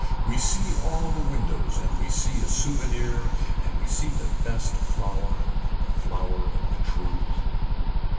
We see all the windows and we see a souvenir and we see the best flower. The flower of the truth.